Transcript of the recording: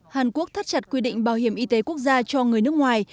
hàn quốc thắt chặt quy định bảo hiểm y tế quốc gia cho người nước ngoài